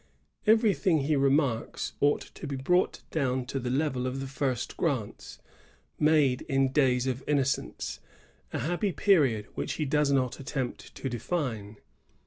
^ Everjrthing, he remarks, ought to be brought down to the level of the first grants " made in days of innocence," — a happy period which he does not attempt to define.